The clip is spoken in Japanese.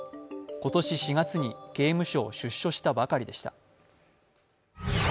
今年４月に刑務所を出所したばかりでした。